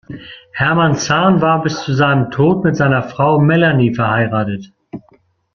Hermann Zahn war bis zu seinem Tod mit seiner Frau Melanie verheiratet.